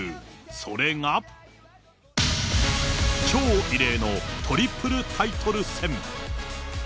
それが、超異例のトリプルタイトル戦。